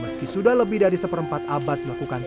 meski sudah lebih dari seperempat abad melakukan